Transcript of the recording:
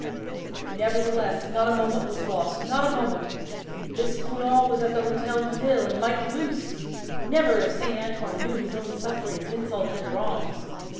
Nevertheless, not a moment was lost; not a moment! This Foulon was at the Hotel de Ville, and might be loosed. Never, if Saint Antoine knew his own sufferings, insults, and wrongs!